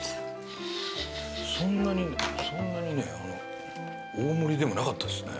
そんなにね大盛りでもなかったですね。